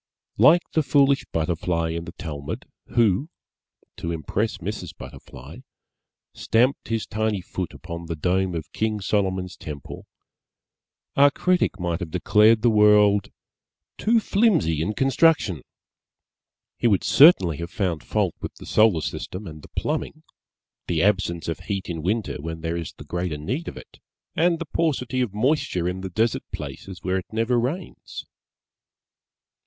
Like the foolish Butterfly in the Talmud, who (to impress Mrs. Butterfly) stamped his tiny foot upon the dome of King Solomon's Temple, our Critic might have declared the World "Too flimsy in construction." He would certainly have found fault with the Solar System and the Plumbing the absence of heat in Winter when there is the greater need of it and the paucity of moisture in the desert places where it never rains.